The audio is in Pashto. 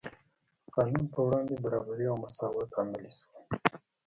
د قانون په وړاندې برابري او مساوات عملي شول.